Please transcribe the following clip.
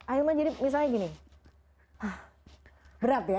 ahilman jadi misalnya gini berat ya